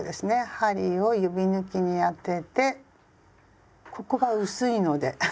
針を指ぬきに当ててここが薄いので。